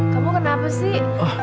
kamu kenapa sih